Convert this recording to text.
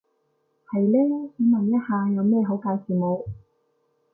係嘞，想問一下有咩好介紹冇？